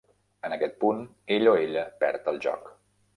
En aquest punt, ell o ella perd el joc.